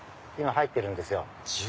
今入ってるんですよ。